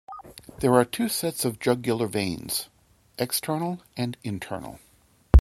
There are two sets of jugular veins: external and internal.